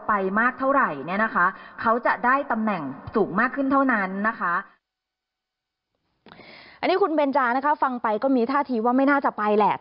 อันนี้คุณเบนจานะคะฟังไปก็มีท่าทีว่าไม่น่าจะไปแหละ